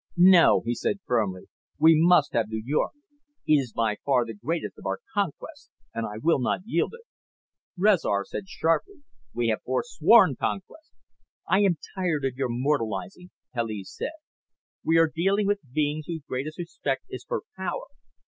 "No," he said firmly. "We must have New York. It is by far the greatest of our conquests and I will not yield it." Rezar said sharply, "We have foresworn conquest." "I am tired of your moralizing," Kaliz said. "We are dealing with beings whose greatest respect is for power.